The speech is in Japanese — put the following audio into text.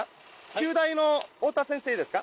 九大の太田先生ですか？